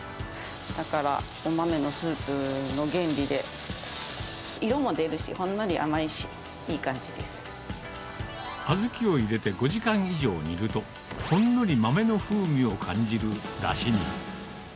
だからお豆のスープの原理で、色も出るし、ほんのり甘いし、小豆を入れて５時間以上煮ると、ほんのり豆の風味を感じるだしに。